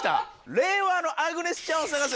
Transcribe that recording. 「令和のアグネス・チャンを探せ」